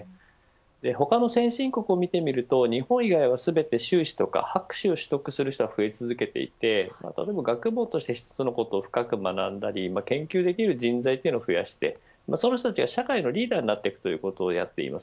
他の先進国を見てみると日本以外は全て修士とか博士を取得する人が増え続けていて学問として一つのことを深く学んだり研究できる人材を増やしてその人たちが社会のリーダーになっていくということをやっています。